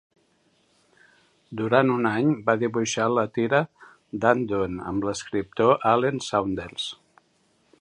Durant un any va dibuixar la tira "Dan Dunn" amb l'escriptor Allen Saunders.